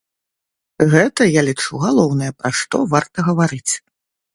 Гэта, я лічу, галоўнае, пра што варта гаварыць.